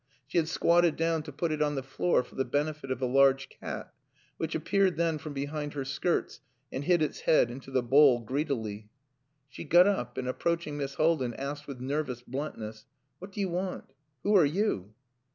She had squatted down to put it on the floor for the benefit of a large cat, which appeared then from behind her skirts, and hid its head into the bowl greedily. She got up, and approaching Miss Haldin asked with nervous bluntness "What do you want? Who are you?"